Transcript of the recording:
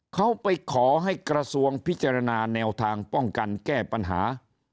เขาไปขอให้กระทรวงพิจารณาแนวทางป้องกันแก้ปัญหา